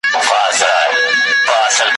نه رقیب نه یې آزار وي وېره نه وي له اسمانه `